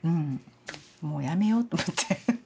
もうやめようと思って。